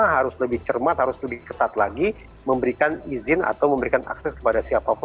harus lebih cermat harus lebih ketat lagi memberikan izin atau memberikan akses kepada siapapun